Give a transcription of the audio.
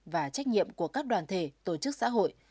và trách nhiệm của các đoàn thể tổ chức xã hội